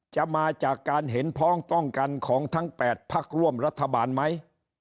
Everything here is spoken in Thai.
มาจากการเห็นพ้องต้องกันของทั้ง๘พักร่วมรัฐบาลไหม